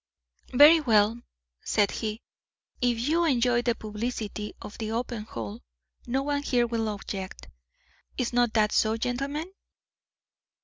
"Very well," said he; "if you enjoy the publicity of the open hall, no one here will object. Is not that so, gentlemen?"